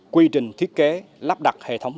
quy trình thiết kế lắp đặt hệ thống